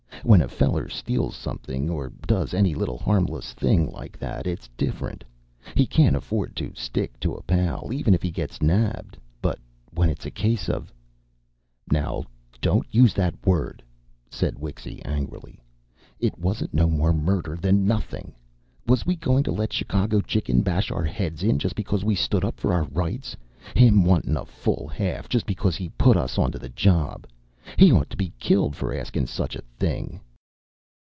When a feller steals something, or does any little harmless thing like that, it's different. He can afford to stick to a pal, even if he gets nabbed. But when it's a case of " "Now, don't use that word!" said Wixy angrily. "It wasn't no more murder than nothing. Was we going to let Chicago Chicken bash our heads in just because we stood up for our rights? Him wantin' a full half just because he put us onto the job! He'd ought to been killed for askin' such a thing."